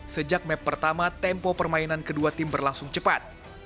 sejak map pertama tempo permainan kedua tim berlangsung cepat